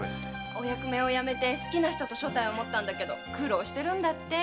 お役目をやめて好きな人と所帯を持ったんだけど苦労してるんだって。